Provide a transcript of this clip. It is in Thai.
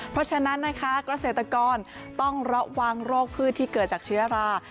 เพราะฉะนั้นนะคะเกษตรกรต้องระวังโรคพืชที่เกิดจากเชื้อรา